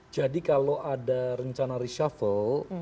jadi kalau ada rencana reshavel